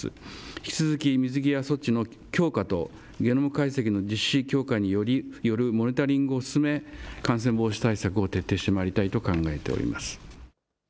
引き続き水際措置の強化と、ゲノム解析の実施強化によるモニタリングを進め、感染防止対策を徹底してまいりたいと考えております。